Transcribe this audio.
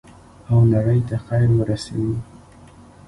او نړۍ ته خیر ورسوي.